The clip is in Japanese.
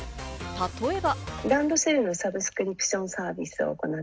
例えば。